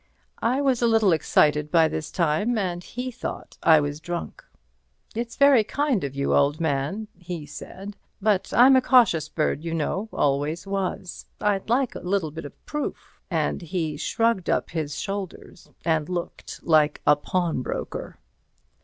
I was a little excited by this time, and he thought I was drunk. "It's very kind of you, old man," he said, "but I'm a cautious bird, you know, always was. I'd like a bit of proof." And he shrugged up his shoulders and looked like a pawnbroker.